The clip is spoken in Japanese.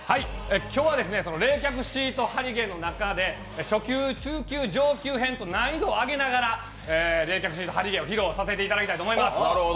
今日は冷却シート貼り芸の中で初級、中級、上級編と難易度を上げながら、冷却シート貼り芸を披露させていただきたいと思います。